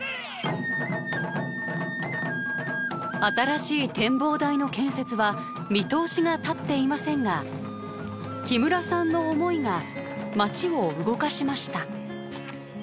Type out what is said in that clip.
新しい展望台の建設は見通しが立っていませんが木村さんの思いが町を動かしました。